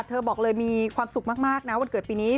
บอกเลยมีความสุขมากนะวันเกิดปีนี้